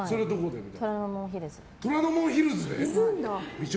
虎ノ門ヒルズ。